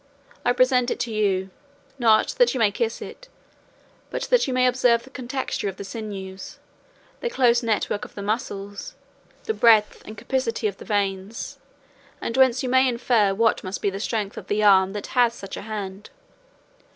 I present it to you, not that you may kiss it, but that you may observe the contexture of the sinews, the close network of the muscles, the breadth and capacity of the veins, whence you may infer what must be the strength of the arm that has such a hand."